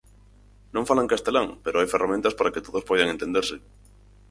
Non falan castelán pero hai ferramentas para que todos poidan entenderse.